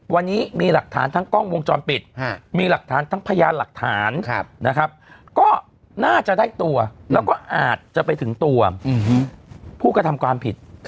วันนี้มีหลักฐานทั้งกล้องวงจรปิดมีหลักฐานทั้งพยานหลักฐานนะครับก็น่าจะได้ตัวแล้วก็อาจจะไปถึงตัวผู้กระทำความผิด